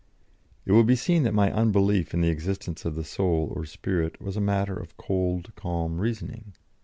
" It will be seen that my unbelief in the existence of the Soul or Spirit was a matter of cold, calm reasoning.